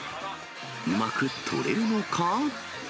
うまく取れるのか？